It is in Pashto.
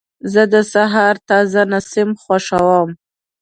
زه د سهار تازه نسیم خوښوم.